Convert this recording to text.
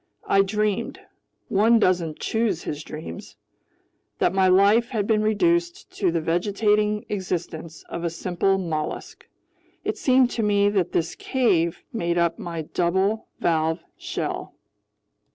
I dreamed—one doesn't choose his dreams—that my life had been reduced to the vegetating existence of a simple mollusk. It seemed to me that this cave made up my double valved shell.